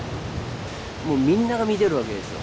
もうみんなが見てるわけですよ。